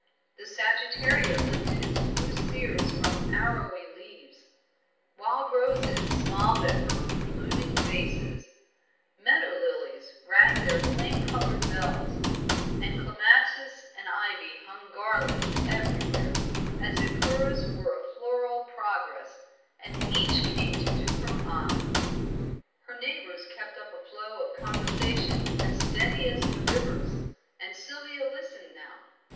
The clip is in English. The sagittaria lifted its blue spears from arrowy leaves; wild roses smiled at her with blooming faces; meadow lilies rang their flame colored bells; and clematis and ivy hung garlands everywhere, as if hers were a floral progress, and each came to do her honor. Her neighbors kept up a flow of conversation as steady as the river's, and Sylvia listened now.